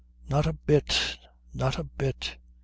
Not a bit. Not a bit.